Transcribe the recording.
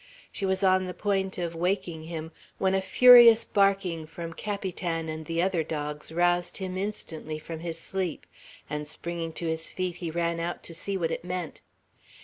She was on the point of waking him, when a furious barking from Capitan and the other dogs roused him instantly from his sleep, and springing to his feet, he ran out to see what it meant.